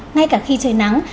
ngay cả khi trời nắng